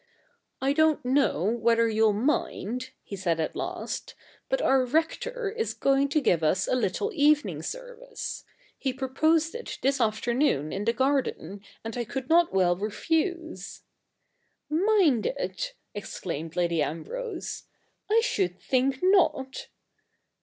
' I don't know whether you'll mind,' he said at last, ' but our Rector is going to give us a little evening service. He proposed it this afternoon in the garden, and I could not well refuse.' ' Mind it I ' exclaimed Lady Ambrose. ' I should think not.'